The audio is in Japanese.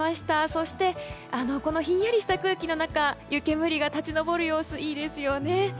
そしてこのひんやりした空気の中湯煙が立ち上る様子もいいですよね。